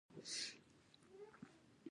باختر د هندوکش شمال ته و